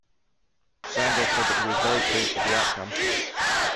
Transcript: Vandal said that he was very pleased with the outcome.